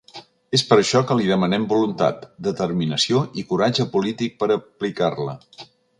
És per això que li demanem voluntat, determinació i coratge polític per aplicar-la.